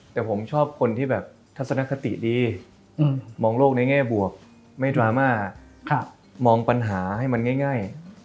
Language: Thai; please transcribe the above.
แต่ผมชอบคนที่แบบทัศนคติดีมองโลกในแง่บวกไม่ดราม่ามองปัญหาให้มันง่าย